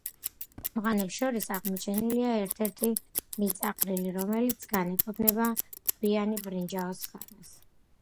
ყორღანებს შორის აღმოჩენილია ერთ-ერთი მიწაყრილი, რომელიც განეკუთვნება გვიანი ბრინჯაოს ხანას.